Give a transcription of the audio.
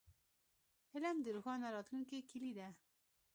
علم د روښانه راتلونکي کیلي ده.